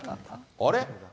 あれ？